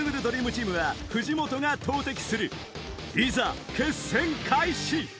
ドリームチームは藤本が投てきするいざ決戦開始！